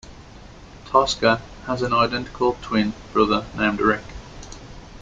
Tosca has an identical twin brother named Rick.